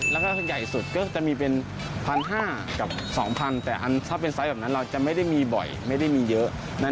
แล้วก็ใหญ่สุดก็จะมีเป็น๑๕๐๐กับ๒๐๐แต่อันถ้าเป็นไซส์แบบนั้นเราจะไม่ได้มีบ่อยไม่ได้มีเยอะ